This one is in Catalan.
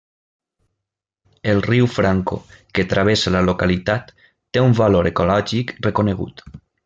El riu Franco, que travessa la localitat, té un valor ecològic reconegut.